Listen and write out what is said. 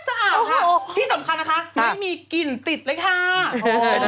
สะอาดค่ะที่สำคัญนะคะไม่มีกลิ่นติดเลยค่ะ